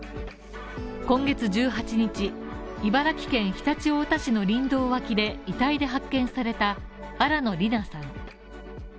今月１８日、茨城県常陸太田市の林道脇で遺体で発見された新野りなさん。